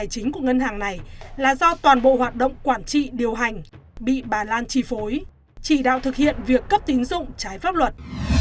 tài chính của ngân hàng này là do toàn bộ hoạt động quản trị điều hành bị bà lan chi phối chỉ đạo thực hiện việc cấp tín dụng trái pháp luật